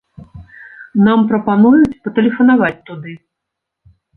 Нам прапануюць патэлефанаваць туды.